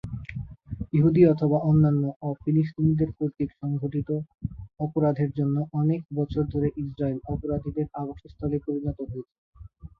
ইহুদী অথবা অন্যান্য অ-ফিলিস্তিনিদের কর্তৃক সংগঠিত সংঘটিত অপরাধের জন্য অনেক বছর ধরে ইসরায়েল অপরাধীদের আবাসস্থলে পরিণত হয়েছে।